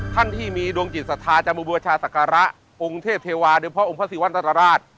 ท่านที่มีดวงจิตสถานจมูลบัชชาสักระองค์เทพเทวาหรือพระองค์พระศรีวัณฑ์ตรราช